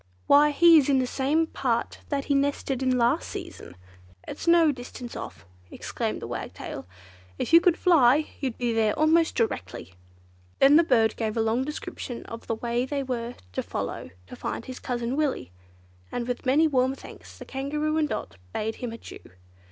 "Why he is in the same part that he nested in last season. It's no distance off," exclaimed the Wagtail. "If you could fly, you'd be there almost directly!" Then the bird gave a long description of the way they were to follow to find his cousin Willy, and with many warm thanks the Kangaroo and Dot bade him adieu.